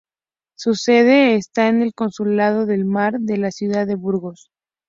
Su sede está en el Consulado del Mar de la ciudad de Burgos.